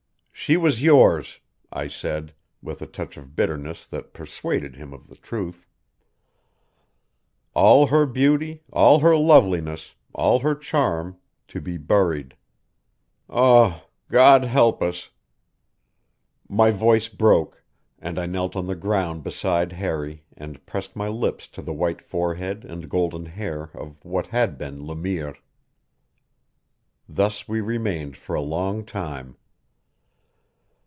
"She was yours," I said, with a touch of bitterness that persuaded him of the truth. "All her beauty, all her loveliness, all her charm, to be buried Ah! God help us " My voice broke, and I knelt on the ground beside Harry and pressed my lips to the white forehead and golden hair of what had been Le Mire. Thus we remained for a long time.